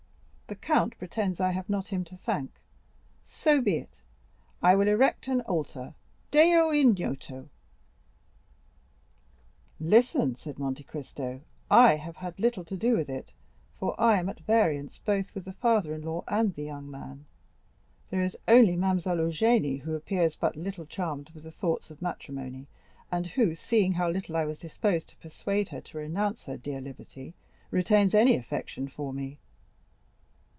The count pretends I have not him to thank;—so be it—I will erect an altar Deo ignoto." "Listen," said Monte Cristo; "I have had little to do with it, for I am at variance both with the father in law and the young man; there is only Mademoiselle Eugénie, who appears but little charmed with the thoughts of matrimony, and who, seeing how little I was disposed to persuade her to renounce her dear liberty, retains any affection for me."